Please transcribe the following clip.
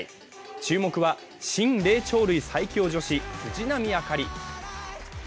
注目は新・霊長類最強女子藤波朱理。